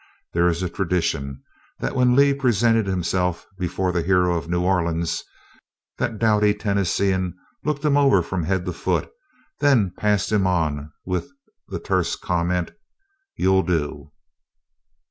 There is a tradition that when Lee presented himself before the hero of New Orleans, that doughty Tennessean looked him over from head to foot, then passed him on with the terse comment, "You'll do!"